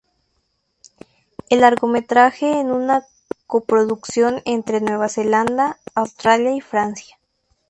El largometraje es una coproducción entre Nueva Zelanda, Australia y Francia.